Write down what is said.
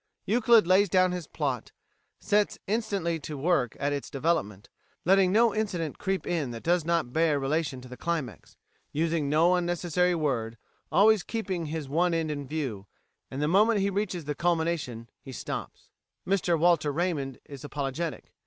Euclid lays down his plot, sets instantly to work at its development, letting no incident creep in that does not bear relation to the climax, using no unnecessary word, always keeping his one end in view, and the moment he reaches the culmination he stops." Mr Walter Raymond is apologetic.